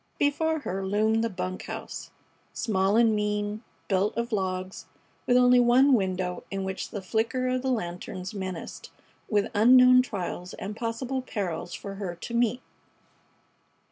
Before her loomed the bunk house, small and mean, built of logs, with only one window in which the flicker of the lanterns menaced, with unknown trials and possible perils for her to meet.